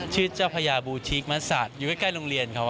ชื่อเจ้าพญาบูริธิกต์มัศจอยู่ใกล้ลงเรียน